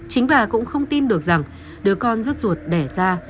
chính bà cũng không tin được rằng đứa con rất ruột đẻ ra